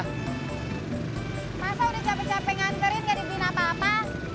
masa udah capek capek nganturin ke dibina apa apa